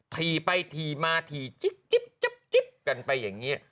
ถี่ไปถี่มาผีจิ๊ปจิ๊บจะหยิบกันไปอย่างเงี้ย